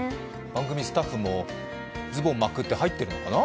番組スタッフもズボンまくって入ってるのかな？